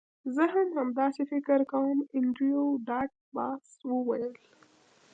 زه هم همداسې فکر کوم انډریو ډاټ باس وویل